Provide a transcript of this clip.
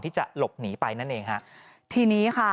ปี๖๕วันเกิดปี๖๔ไปร่วมงานเช่นเดียวกัน